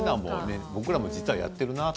僕らも、実はやってるなと。